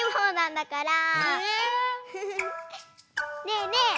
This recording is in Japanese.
ねえねえ